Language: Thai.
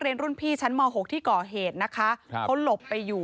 รุ่นพี่ชั้นม๖ที่ก่อเหตุนะคะครับเขาหลบไปอยู่